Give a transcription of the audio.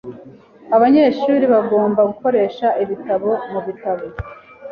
Abanyeshuri bagomba gukoresha ibitabo mubitabo.